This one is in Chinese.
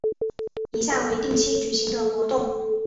以下为定期举行的活动